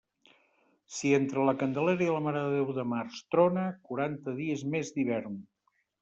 Si entre la Candelera i la Mare de Déu de març trona, quaranta dies més d'hivern.